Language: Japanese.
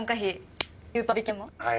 はい。